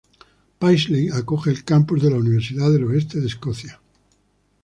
Paisley acoge el campus de la Universidad del Oeste de Escocia.